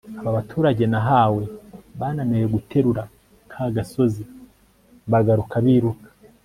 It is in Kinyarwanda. aba baturage nahawe bananiwe guterura ka gasozi bagaruka biruka